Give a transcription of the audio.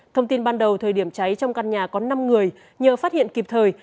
thông tin ban đầu thời điểm cháy trong căn nhà có năm người nhờ phát hiện kịp thời